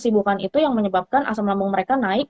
bukan itu yang menyebabkan asam lambung mereka naik